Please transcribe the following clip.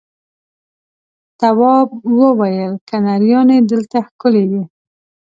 تواب وويل: کنریانې دلته ښکلې دي.